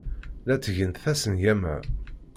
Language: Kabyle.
La ttgent tasengama.